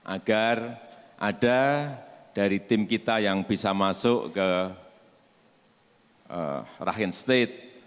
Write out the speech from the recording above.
agar ada dari tim kita yang bisa masuk ke rahim state